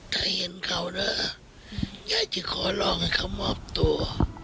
ถ้าเห็นเขานะยายจะขอร้องให้เขามอบตัว